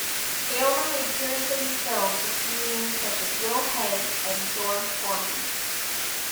Aylmer made appearances in films with comedians such as Will Hay and George Formby.